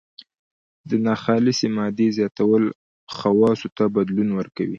د ناخالصې مادې زیاتول خواصو ته بدلون ورکوي.